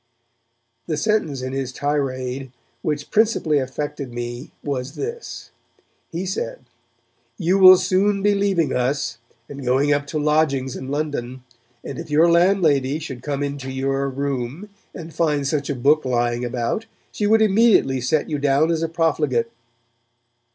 The sentence in his tirade which principally affected me was this. He said, 'You will soon be leaving us, and going up to lodgings in London, and if your landlady should come into your room, and find such a book lying about, she would immediately set you down as a profligate.'